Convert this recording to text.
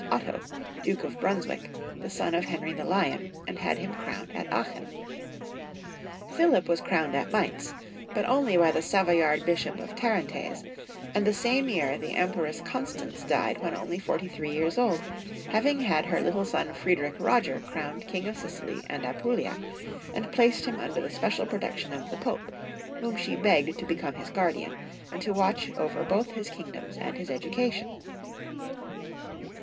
153 Otto, Duke of Brunswick, the son of Henry the Lion, and had him crowned at Aachen. PhHip was crowned at Mainz, but only by the Savoyard Bishop of Tarentaise, and the same year the Empress Con stance died when only forty three years old, having had her little son Friedrich Roger crowned King of Sicily and Apulia, and placed him under the special protection of the Pope, whom she begged to become his guardian, and to watch over both his kingdoms and his education.